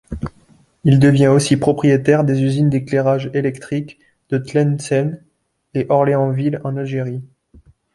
Il devient aussi propriétaire des usines d'éclairage électrique de Tlemcen et Orléansville en Algérie.